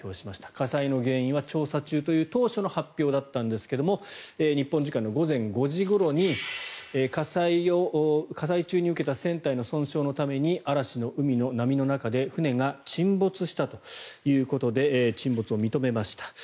火災の原因は調査中という当初の発表だったんですが日本時間午前５時ごろに火災中に受けた船体の損傷のために嵐の海の波の中で船が沈没したということで沈没を認めました。